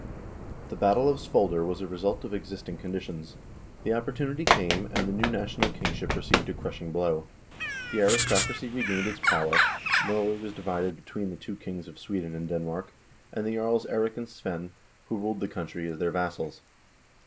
The battle of Svolder was a result of existing conditions. The opportunity came, and the new national kingship received a crushing blow. The aris tocracy regained its power; Norway was divided between the kings of Sweden and Denmark, and the jarls Eirik and Svein, who 244 HISTORY OF THE NORWEGIAN PEOPLE ruled the country as their vassals.